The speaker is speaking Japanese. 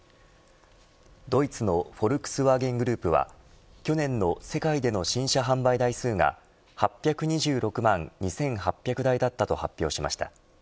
ドイツのフォルクスワーゲングループは去年の世界での新車販売台数が８２６万２８００台だったと発表しました。